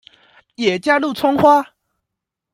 也加入蔥花